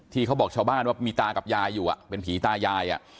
เขาบอกชาวบ้านว่ามีตากับยายอยู่เป็นผีตายาย